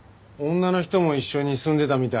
女の人も一緒に住んでたみたい。